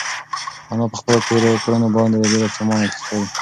انا په خپلو تېرو کړنو باندې ډېره پښېمانه ښکاري.